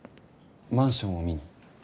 マンションを見に？